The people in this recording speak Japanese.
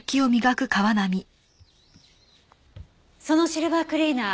そのシルバークリーナー